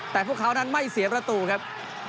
แต่พวกเขานั้นไม่เสียประตูครับ